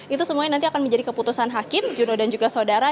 itu semuanya nanti akan menjadi keputusan hakim juno dan juga saudara